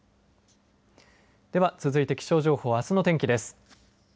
では続いて気象情報あすの天気です。